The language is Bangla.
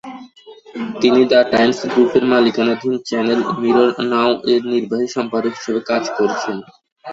তিনি দ্য টাইমস গ্রুপের মালিকানাধীন চ্যানেল মিরর নাউ-এর নির্বাহী সম্পাদক হিসাবে কাজ করেছেন।